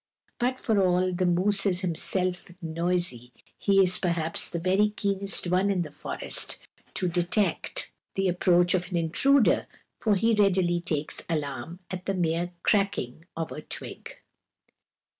But for all the moose is himself noisy, he is perhaps the very keenest one in the forest to detect the approach of an intruder, for he readily takes alarm at the mere cracking of a twig.